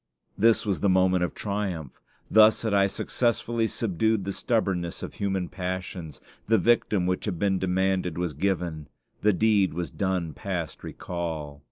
This was the moment of triumph. Thus had I successfully subdued the stubbornness of human passions: the victim which had been demanded was given; the deed was done past recall.